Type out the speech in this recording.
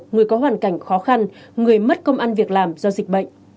người có hoàn cảnh khó khăn người mất công ăn việc làm do dịch bệnh